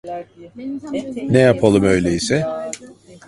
Ne yapalım öyleyse…